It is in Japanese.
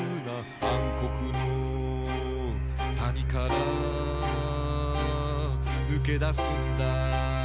「暗黒の谷から脱けだすんだ」